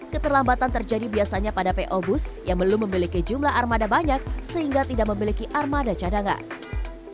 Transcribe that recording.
keterlambatan terjadi biasanya pada po bus yang belum memiliki jumlah armada banyak sehingga tidak memiliki armada cadangan